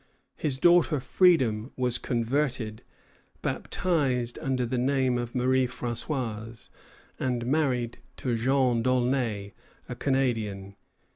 His daughter Freedom was converted, baptized under the name of Marie Françoise, and married to Jean Daulnay, a Canadian.